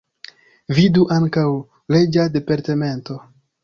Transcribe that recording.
Vidu ankaŭ: Reĝa departemento.